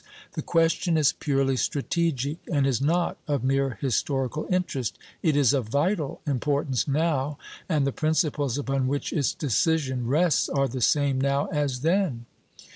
The question is purely strategic, and is not of mere historical interest; it is of vital importance now, and the principles upon which its decision rests are the same now as then.